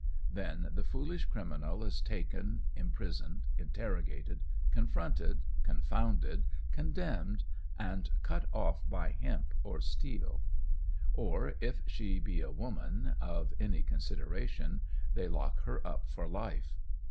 Then the foolish criminal is taken, imprisoned, interrogated, confronted, confounded, condemned, and cut off by hemp or steel; or, if she be a woman of any consideration, they lock her up for life.